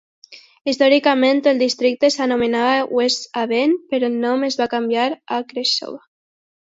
Històricament, el districte s'anomenava West Haven, però el nom es va canviar pel de Cressona.